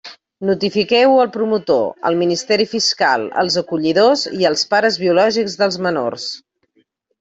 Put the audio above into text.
Notifiqueu-ho al promotor, al Ministeri Fiscal, als acollidors i als pares biològics dels menors.